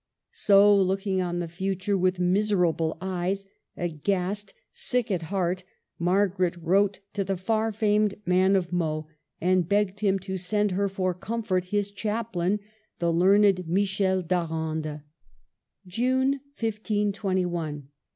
So, looking on the future with miserable eyes, aghast, sick at heart, Margaret wrote to the far famed Man of Meaux, and begged him to send her, for comfort, his chaplain, the learned Michel d'Arande :— June, 1521.